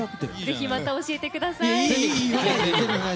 ぜひ、また教えてください。